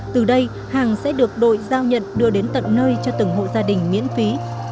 từ đây hàng sẽ được đội giao nhận đưa đến tận nơi cho từng hộ gia đình miễn phí